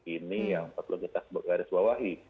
ini yang perlu kita garis bawahi